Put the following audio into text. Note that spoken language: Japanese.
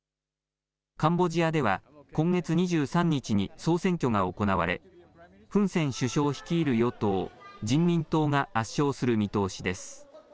カンボジアでは今月２３日に総選挙が行われ、フン・セン首相率いる与党・人民党が圧勝する見通しです。